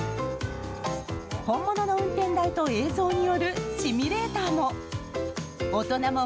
本物の運転台と映像によるシミュレーターも。